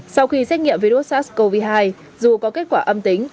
sau khi xét nghiệm virus sars cov hai dù có kết quả âm tính